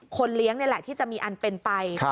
เลี้ยงนี่แหละที่จะมีอันเป็นไป